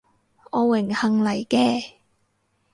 我榮幸嚟嘅